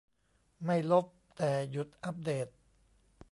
ไม่ลบ แต่หยุดอัปเดต